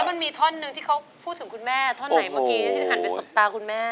แล้วมันมีท่อนนึงที่เขาพูดถึงคุณแม่